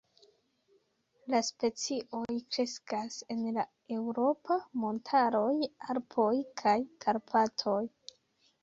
La specioj kreskas en la eŭropa montaroj Alpoj kaj Karpatoj.